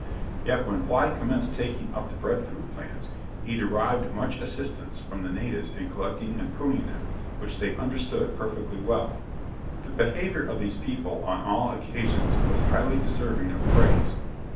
Yet when Bligh commenced taking up the bread fruit plants, he derived much assistance from the natives in collecting and pruning them, which they understood perfectly well. The behaviour of these people on all occasions was highly deserving of praise.